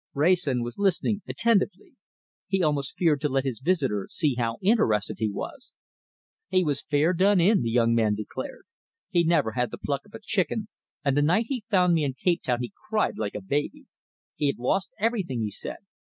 Wrayson was listening attentively; he almost feared to let his visitor see how interested he was. "He was fair done in!" the young man continued. "He never had the pluck of a chicken, and the night he found me in Cape Town he cried like a baby. He had lost everything, he said.